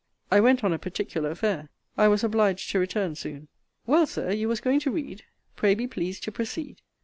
I went on a particular affair: I was obliged to return soon. Well, Sir; you was going to read pray be pleased to proceed.